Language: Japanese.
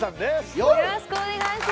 よろしくお願いします